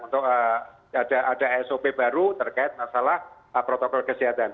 untuk ada sop baru terkait masalah protokol kesehatan